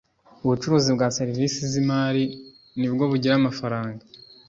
Ubucuruzi bwa servisi z’ imari nibwo bugira amafaranga